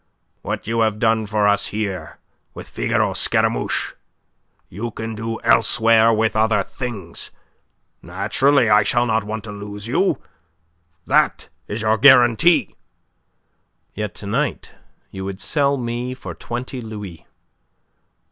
"What you have done for us here with 'Figaro Scaramouche,' you can do elsewhere with other things. Naturally, I shall not want to lose you. That is your guarantee." "Yet to night you would sell me for twenty louis."